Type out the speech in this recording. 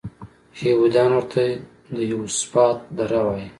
یهودان ورته د یهوسفات دره وایي.